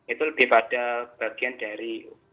itu lebih pada bagian dari